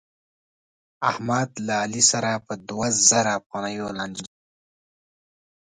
احمد له علي سره په دوه زره لانجه وکړه.